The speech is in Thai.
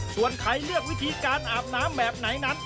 ส่วนใครเลือกวิธีการอาบน้ำแบบไหนนั้น